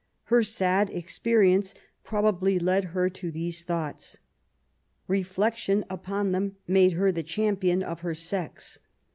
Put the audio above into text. Her sad experience probably led her to these thoughts. Reflection upon them made her the champion of her sex.